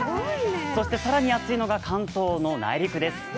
そして更に暑いのが関東の内陸です。